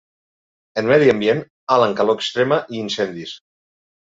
En medi ambient, alt en calor extrema i incendis.